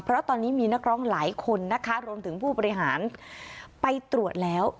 เพราะตอนนี้มีนักร้องหลายคนนะคะรวมถึงผู้บริหารไปตรวจแล้ว